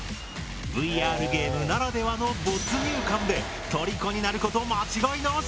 ＶＲゲームならではの没入感でとりこになること間違いなし！